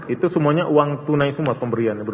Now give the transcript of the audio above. itu semuanya uang tunai semua pemberiannya